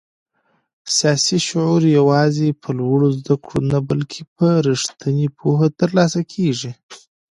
سیاسي شعور یوازې په لوړو زده کړو نه بلکې په رښتینې پوهه ترلاسه کېږي.